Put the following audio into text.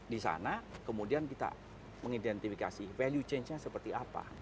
di sana kemudian kita mengidentifikasi value change nya seperti apa